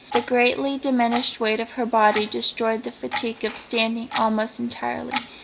The greatly diminished weight of her body destroyed the fatigue of standing almost entirely.